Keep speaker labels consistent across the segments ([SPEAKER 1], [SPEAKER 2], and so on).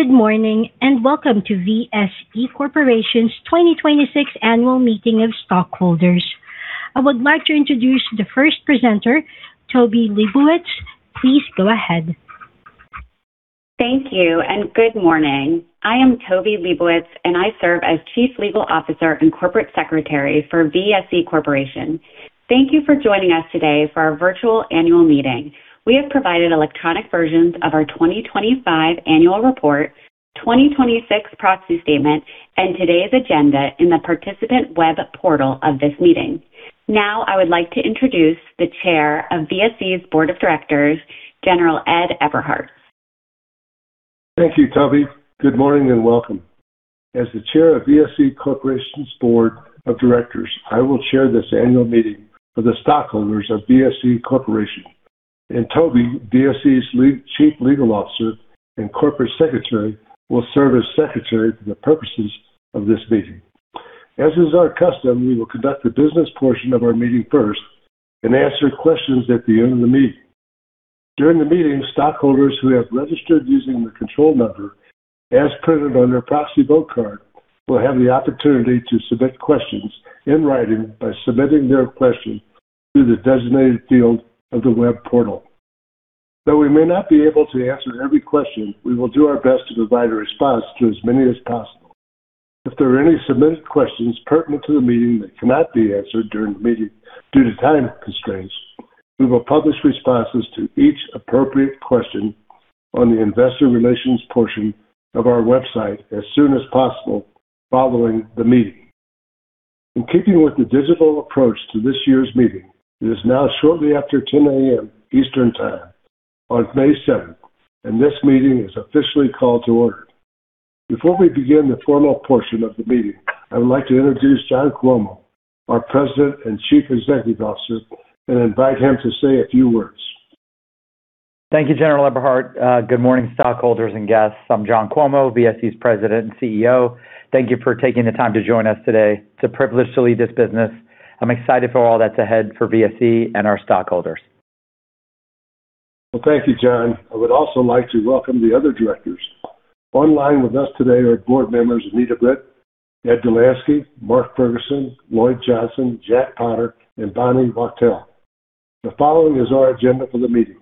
[SPEAKER 1] Good morning. Welcome to VSE Corporation's 2026 Annual Meeting of Stockholders. I would like to introduce the first presenter, Tobi Lebowitz. Please go ahead.
[SPEAKER 2] Thank you. Good morning. I am Tobi Lebowitz. I serve as Chief Legal Officer and Corporate Secretary for VSE Corporation. Thank you for joining us today for our virtual annual meeting. We have provided electronic versions of our 2025 annual report, 2026 proxy statement, and today's agenda in the participant web portal of this meeting. Now I would like to introduce the chair of VSE's Board of Directors, General Ed Eberhart.
[SPEAKER 3] Thank you, Tobi. Good morning and welcome. As the chair of VSE Corporation's board of directors, I will chair this annual meeting for the stockholders of VSE Corporation. Tobi, VSE's lead Chief Legal Officer and Corporate Secretary, will serve as secretary for the purposes of this meeting. As is our custom, we will conduct the business portion of our meeting first and answer questions at the end of the meeting. During the meeting, stockholders who have registered using the control number as printed on their proxy vote card will have the opportunity to submit questions in writing by submitting their question through the designated field of the web portal. Though we may not be able to answer every question, we will do our best to provide a response to as many as possible. If there are any submitted questions pertinent to the meeting that cannot be answered during the meeting due to time constraints, we will publish responses to each appropriate question on the investor relations portion of our website as soon as possible following the meeting. In keeping with the digital approach to this year's meeting, it is now shortly after 10:00 A.M. Eastern Time on May 7th, and this meeting is officially called to order. Before we begin the formal portion of the meeting, I would like to introduce John Cuomo, our President and Chief Executive Officer, and invite him to say a few words.
[SPEAKER 4] Thank you, General Eberhart. Good morning, stockholders and guests. I'm John Cuomo, VSE's President and CEO. Thank you for taking the time to join us today. It's a privilege to lead this business. I'm excited for all that's ahead for VSE and our stockholders.
[SPEAKER 3] Well, thank you, John. I would also like to welcome the other directors. Online with us today are board members Anita Britt, Ed Dolanski, Mark Ferguson, Lloyd Johnson, Jack Potter, and Bonnie Wachtel. The following is our agenda for the meeting.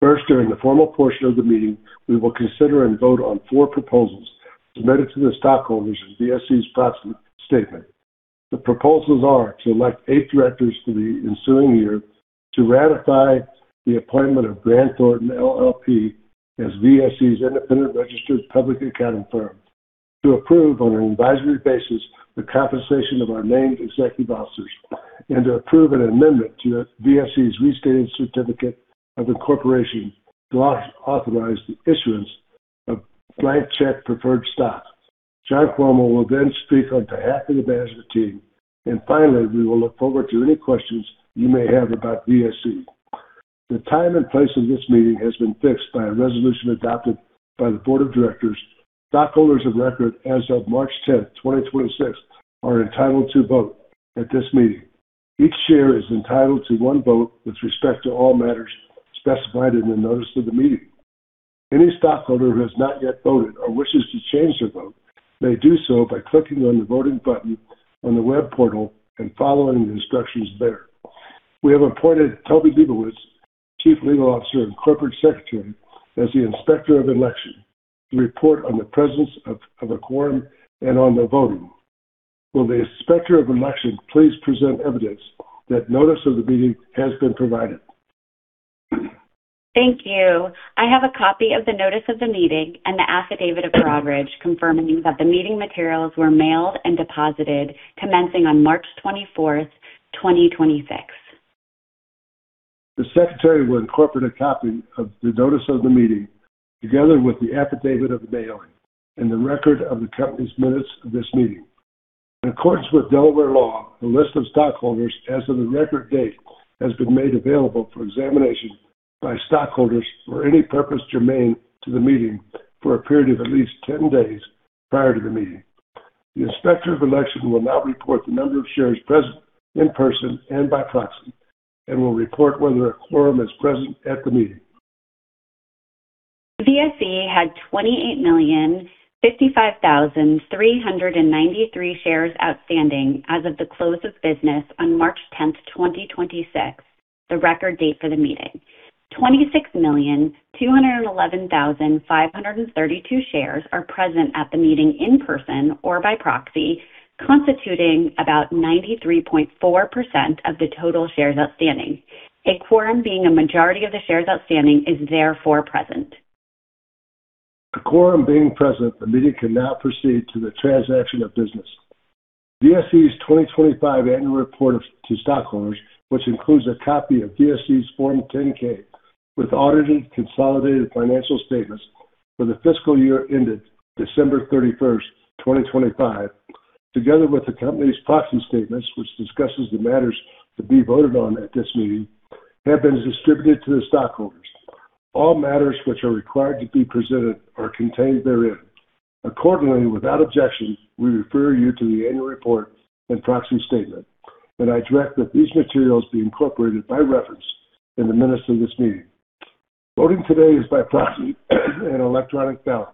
[SPEAKER 3] First, during the formal portion of the meeting, we will consider and vote on four proposals submitted to the stockholders as VSE's proxy statement. The proposals are to elect eight directors for the ensuing year to ratify the appointment of Grant Thornton LLP as VSE's independent registered public accounting firm. To approve, on an advisory basis, the compensation of our named executive officers. To approve an amendment to VSE's restated certificate of incorporation to authorize the issuance of blank check preferred stock. John Cuomo will then speak on behalf of the management team. Finally, we will look forward to any questions you may have about VSE. The time and place of this meeting has been fixed by a resolution adopted by the board of directors. Stockholders of record as of March 10th, 2026 are entitled to vote at this meeting. Each share is entitled to one vote with respect to all matters specified in the notice of the meeting. Any stockholder who has not yet voted or wishes to change their vote may do so by clicking on the voting button on the web portal and following the instructions there. We have appointed Tobi Lebowitz, Chief Legal Officer and Corporate Secretary, as the Inspector of Election to report on the presence of a quorum and on the voting. Will the Inspector of Election please present evidence that notice of the meeting has been provided?
[SPEAKER 2] Thank you. I have a copy of the notice of the meeting and the affidavit of mailing confirming that the meeting materials were mailed and deposited commencing on March 24th, 2026.
[SPEAKER 3] The secretary will incorporate a copy of the notice of the meeting, together with the affidavit of mailing and the record of the company's minutes of this meeting. In accordance with Delaware law, the list of stockholders as of the record date has been made available for examination by stockholders for any purpose germane to the meeting for a period of at least ten days prior to the meeting. The Inspector of Election will now report the number of shares present in person and by proxy and will report whether a quorum is present at the meeting.
[SPEAKER 2] VSE had 28,055,393 shares outstanding as of the close of business on March 10th, 2026, the record date for the meeting. 26,211,532 shares are present at the meeting in person or by proxy, constituting about 93.4% of the total shares outstanding. A quorum being a majority of the shares outstanding is therefore present.
[SPEAKER 3] A quorum being present, the meeting can now proceed to the transaction of business. VSE's 2025 annual report to stockholders, which includes a copy of VSE's Form 10-K with audited consolidated financial statements for the fiscal year ended December 31st, 2025, together with the company's proxy statements, which discusses the matters to be voted on at this meeting, have been distributed to the stockholders. All matters which are required to be presented are contained therein. Accordingly, without objection, we refer you to the annual report and proxy statement, and I direct that these materials be incorporated by reference in the minutes of this meeting. Voting today is by proxy and electronic ballot.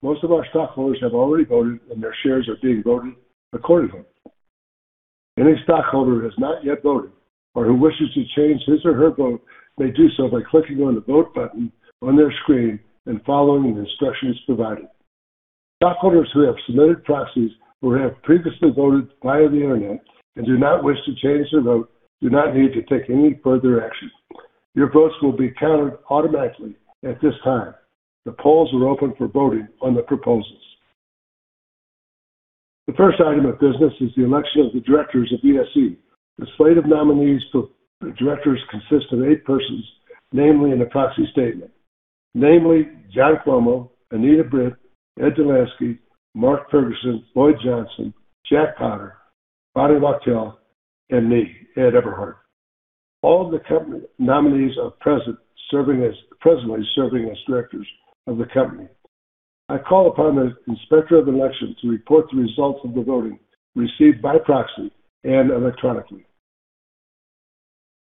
[SPEAKER 3] Most of our stockholders have already voted, and their shares are being voted accordingly. Any stockholder who has not yet voted or who wishes to change his or her vote may do so by clicking on the Vote button on their screen and following the instructions provided. Stockholders who have submitted proxies or have previously voted via the Internet and do not wish to change their vote do not need to take any further action. Your votes will be counted automatically at this time. The polls are open for voting on the proposals. The first item of business is the election of the directors of VSE. The slate of nominees for the directors consists of eight persons, namely in the proxy statement. Namely, John Cuomo, Anita Britt, Edward Dolanski, Mark Ferguson, Lloyd Johnson, Jack Potter, Bonnie Wachtel, and me, Ed Eberhart. All of the company nominees are present, presently serving as directors of the company. I call upon the Inspector of Elections to report the results of the voting received by proxy and electronically.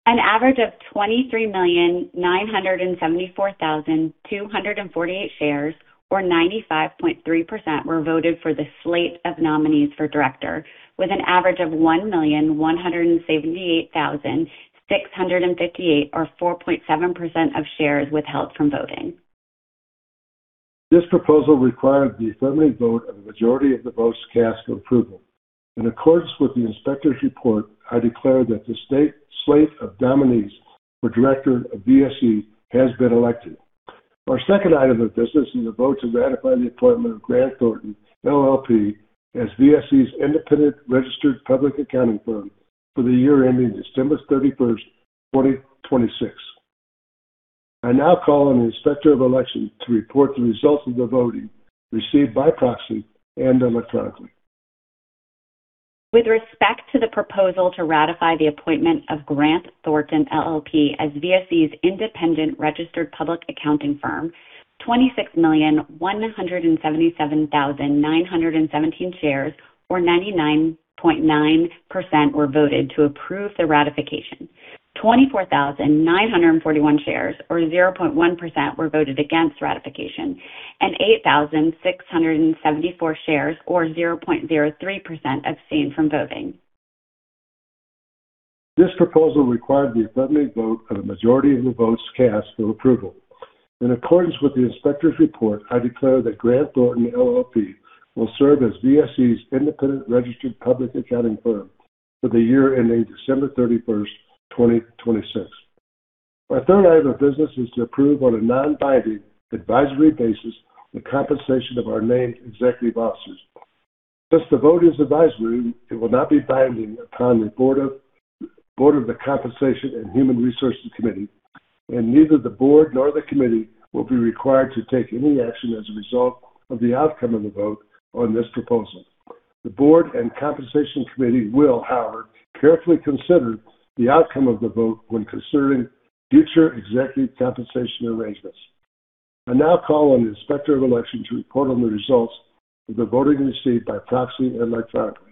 [SPEAKER 2] An average of 23,974,248 shares, or 95.3%, were voted for the slate of nominees for director, with an average of 1,178,658, or 4.7% of shares withheld from voting.
[SPEAKER 3] This proposal required the affirmative vote of a majority of the votes cast for approval. In accordance with the Inspector's report, I declare that the slate of nominees for Director of VSE has been elected. Our second item of business is a vote to ratify the appointment of Grant Thornton LLP as VSE's Independent Registered Public Accounting Firm for the year ending December 31st, 2026. I now call on the Inspector of Election to report the results of the voting received by proxy and electronically.
[SPEAKER 2] With respect to the proposal to ratify the appointment of Grant Thornton LLP as VSE's Independent Registered Public Accounting Firm, 26,177,917 shares, or 99.9%, were voted to approve the ratification. 24,941 shares, or 0.1%, were voted against ratification. 8,674 shares, or 0.03%, abstained from voting.
[SPEAKER 3] This proposal required the affirmative vote of a majority of the votes cast for approval. In accordance with the inspector's report, I declare that Grant Thornton LLP will serve as VSE's Independent Registered Public Accounting Firm for the year ending December 31st, 2026. Our third item of business is to approve on a non-binding advisory basis the compensation of our named executive officers. Since the vote is advisory, it will not be binding upon the Board of the Compensation and Human Resources Committee, and neither the board nor the committee will be required to take any action as a result of the outcome of the vote on this proposal. The Board and Compensation Committee will, however, carefully consider the outcome of the vote when considering future executive compensation arrangements. I now call on the Inspector of Election to report on the results of the voting received by proxy and electronically.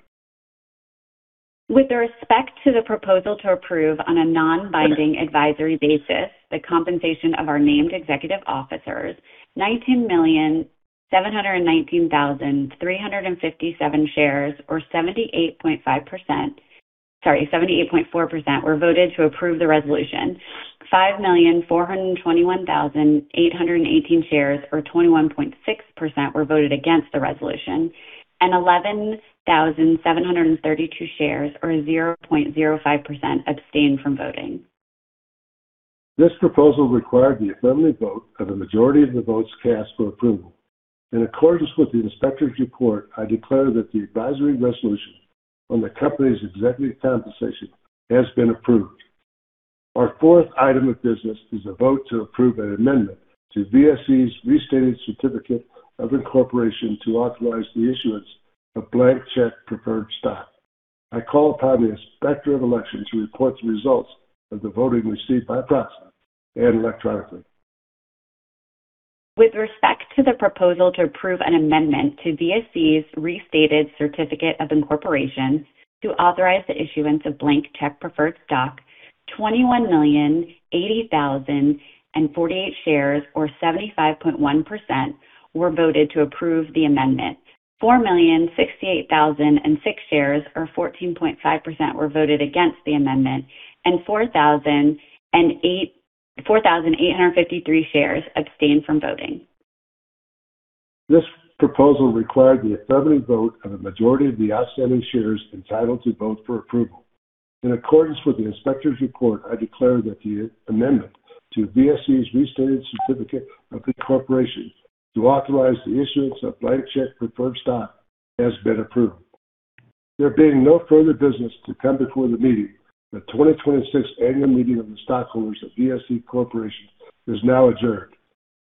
[SPEAKER 2] With respect to the proposal to approve on a non-binding advisory basis the compensation of our named executive officers, 19,719,357 shares, or sorry, 78.4%, were voted to approve the resolution. 5,421,818 shares, or 21.6%, were voted against the resolution. 11,732 shares, or 0.05%, abstained from voting.
[SPEAKER 3] This proposal required the affirmative vote of a majority of the votes cast for approval. In accordance with the inspector's report, I declare that the advisory resolution on the company's executive compensation has been approved. Our fourth item of business is a vote to approve an amendment to VSE's restated certificate of incorporation to authorize the issuance of blank check preferred stock. I call upon the Inspector of Election to report the results of the voting received by proxy and electronically.
[SPEAKER 2] With respect to the proposal to approve an amendment to VSE's restated certificate of incorporation to authorize the issuance of blank check preferred stock, 21,080,048 shares, or 75.1%, were voted to approve the amendment. 4,068,006 shares, or 14.5%, were voted against the amendment. 4,853 shares abstained from voting.
[SPEAKER 3] This proposal required the affirmative vote of a majority of the outstanding shares entitled to vote for approval. In accordance with the inspector's report, I declare that the amendment to VSE's restated certificate of incorporation to authorize the issuance of blank check preferred stock has been approved. There being no further business to come before the meeting, the 2026 Annual Meeting of the Stockholders of VSE Corporation is now adjourned.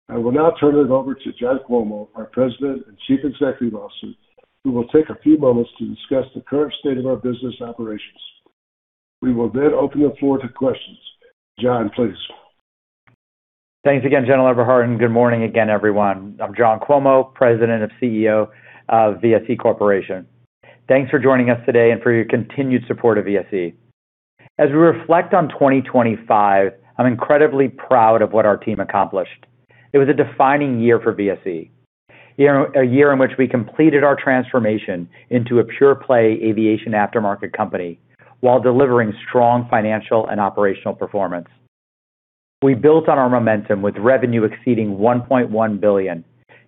[SPEAKER 3] I will now turn it over to John Cuomo, our President and Chief Executive Officer, who will take a few moments to discuss the current state of our business operations. We will then open the floor to questions. John, please.
[SPEAKER 4] Thanks again, General Eberhart. Good morning again, everyone. I'm John Cuomo, President and CEO of VSE Corporation. Thanks for joining us today and for your continued support of VSE. As we reflect on 2025, I'm incredibly proud of what our team accomplished. It was a defining year for VSE. You know, a year in which we completed our transformation into a pure-play aviation aftermarket company while delivering strong financial and operational performance. We built on our momentum with revenue exceeding $1.1 billion,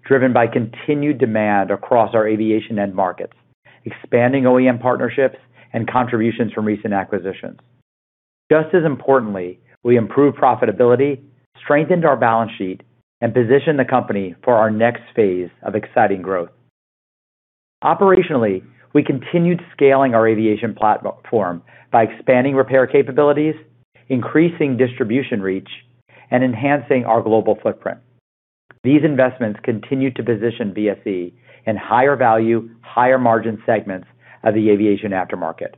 [SPEAKER 4] driven by continued demand across our aviation end markets, expanding OEM partnerships, and contributions from recent acquisitions. Just as importantly, we improved profitability, strengthened our balance sheet, and positioned the company for our next phase of exciting growth. Operationally, we continued scaling our aviation platform by expanding repair capabilities, increasing distribution reach, and enhancing our global footprint. These investments continue to position VSE in higher value, higher margin segments of the aviation aftermarket,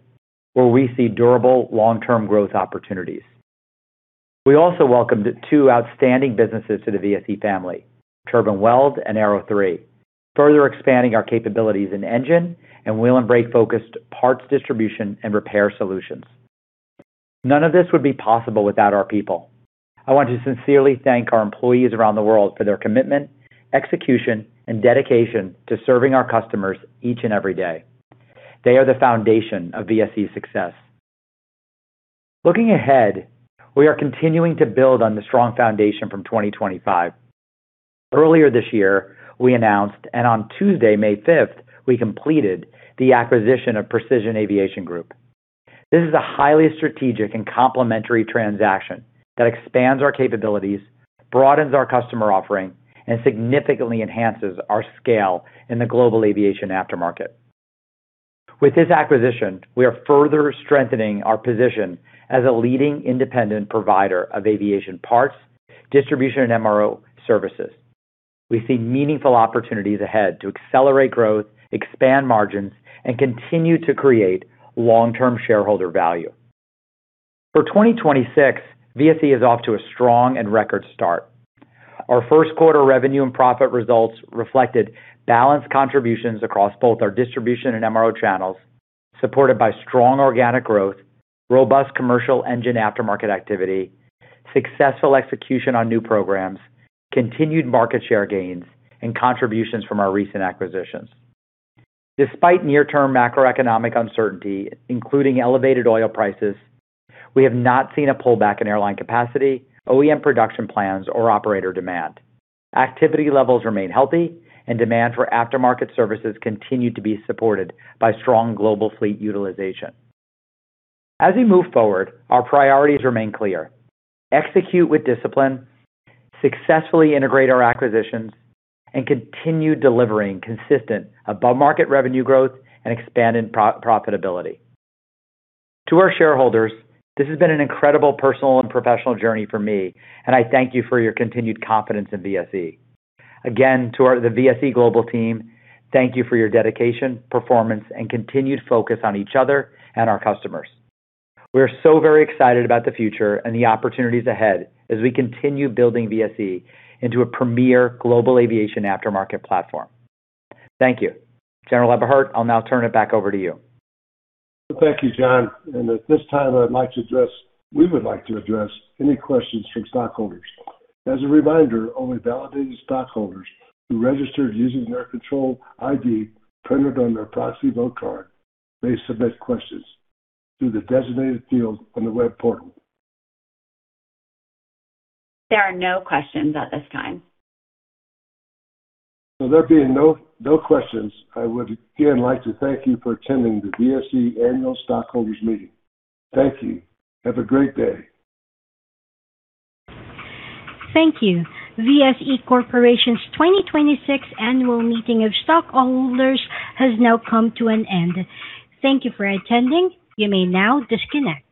[SPEAKER 4] where we see durable long-term growth opportunities. We also welcomed two outstanding businesses to the VSE family, Turbine Weld and Aero 3, further expanding our capabilities in engine and wheel and brake-focused parts distribution and repair solutions. None of this would be possible without our people. I want to sincerely thank our employees around the world for their commitment, execution, and dedication to serving our customers each and every day. They are the foundation of VSE's success. Looking ahead, we are continuing to build on the strong foundation from 2025. Earlier this year, we announced, and on Tuesday, May 5th, we completed the acquisition of Precision Aviation Group. This is a highly strategic and complementary transaction that expands our capabilities, broadens our customer offering, and significantly enhances our scale in the global aviation aftermarket. With this acquisition, we are further strengthening our position as a leading independent provider of aviation parts, distribution, and MRO services. We see meaningful opportunities ahead to accelerate growth, expand margins, and continue to create long-term shareholder value. For 2026, VSE is off to a strong and record start. Our first quarter revenue and profit results reflected balanced contributions across both our distribution and MRO channels, supported by strong organic growth, robust commercial engine aftermarket activity, successful execution on new programs, continued market share gains, and contributions from our recent acquisitions. Despite near-term macroeconomic uncertainty, including elevated oil prices, we have not seen a pullback in airline capacity, OEM production plans, or operator demand. Activity levels remain healthy, and demand for aftermarket services continue to be supported by strong global fleet utilization. As we move forward, our priorities remain clear. Execute with discipline, successfully integrate our acquisitions, and continue delivering consistent above-market revenue growth and expanded pro-profitability. To our shareholders, this has been an incredible personal and professional journey for me, and I thank you for your continued confidence in VSE. Again, to the VSE global team, thank you for your dedication, performance, and continued focus on each other and our customers. We are so very excited about the future and the opportunities ahead as we continue building VSE into a premier global aviation aftermarket platform. Thank you. General Eberhart, I'll now turn it back over to you.
[SPEAKER 3] Thank you, John. At this time, we would like to address any questions from stockholders. As a reminder, only validated stockholders who registered using their control ID printed on their proxy vote card may submit questions through the designated field on the web portal.
[SPEAKER 2] There are no questions at this time.
[SPEAKER 3] There being no questions, I would again like to thank you for attending the VSE Annual Stockholders Meeting. Thank you. Have a great day.
[SPEAKER 1] Thank you. VSE Corporation's 2026 Annual Meeting of Stockholders has now come to an end. Thank you for attending. You may now disconnect.